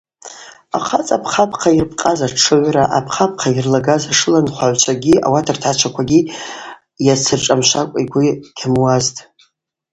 Ахъацӏа апхъапхъа йырбкъаз атшыгӏвра, апхъапхъа йырлагаз ашыла анхагӏвчвагьи ауат ртгӏачваквагьи йацыршӏамшвакӏва йгвы гьамуытӏ.